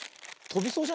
とびそう。